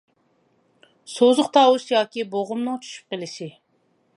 سوزۇق تاۋۇش ياكى بوغۇمنىڭ چۈشۈپ قېلىشى.